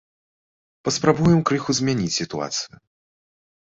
Паспрабуем крыху змяніць сітуацыю.